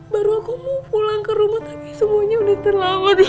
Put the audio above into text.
baru aku mau pulang ke rumah tapi semuanya udah terlambat ya